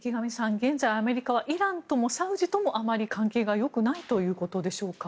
現在アメリカはイランともサウジともあまり関係がよくないということでしょうか。